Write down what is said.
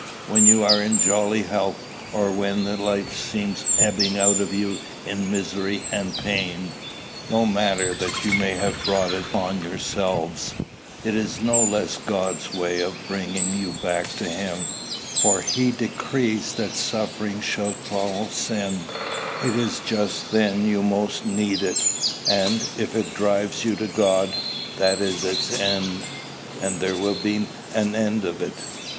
when you are in jolly health, or when the life seems ebbing out of you in misery and pain? No matter that you may have brought it on yourselves; it is no less God's way of bringing you back to him, for he decrees that suffering shall follow sin: it is just then you most need it; and, if it drives you to God, that is its end, and there will be an end of it.